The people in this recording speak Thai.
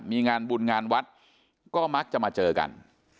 มีงานบุญงานวัดก็มักจะมาเจอกัน